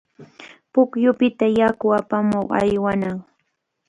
Pukyupita yaku apamuq aywanaq.